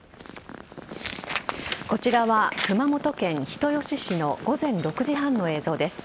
こちらは熊本県人吉市の午前６時半の映像です。